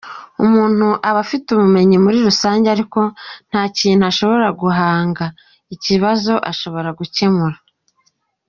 Umuntu aba afite ubumenyi muri rusange ariko nta kintu ashobora guhanga, ikibazo ashobora gukemura.